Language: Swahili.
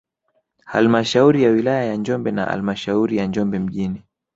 Halmashauri ya wilaya ya Njombe na halmashauri ya Njombe mjini